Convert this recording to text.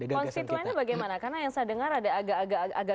konstituennya bagaimana karena yang saya dengar ada agak agak